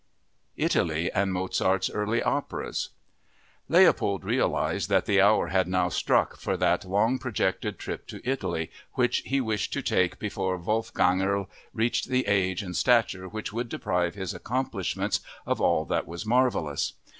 Italy and Mozart's Early Operas Leopold realized that the hour had now struck for that long projected trip to Italy which he wished to take "before Wolfgangerl reached the age and stature which would deprive his accomplishments of all that was marvelous."